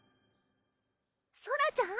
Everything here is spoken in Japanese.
ソラちゃん？